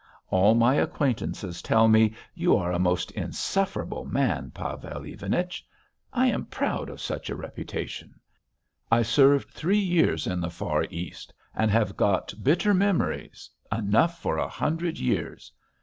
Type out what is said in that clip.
All my acquaintances tell me: 'You are a most insufferable man, Pavel Ivanich!' I am proud of such a reputation. I served three years in the Far East, and have got bitter memories enough for a hundred years.